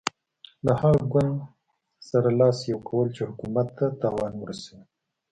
له هغه ګوند سره لاس یو کول چې حکومت ته تاوان ورسوي.